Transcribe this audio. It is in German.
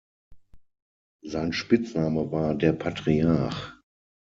Sein Spitzname war „Der Patriarch“.